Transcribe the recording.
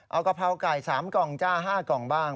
เอากะเพราไก่๓กล่องจ้า๕กล่องบ้าง